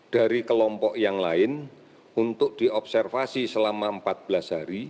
dari kelompok yang lain untuk diobservasi selama empat belas hari